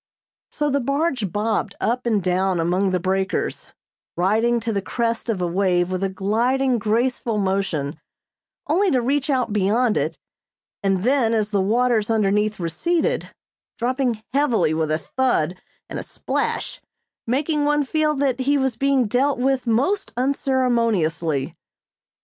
So the barge bobbed up and down among the breakers, riding to the crest of a wave with a gliding, graceful motion, only to reach out beyond it, and then, as the waters underneath receded, dropping heavily with a thud and a splash, making one feel that he was being dealt with most unceremoniously.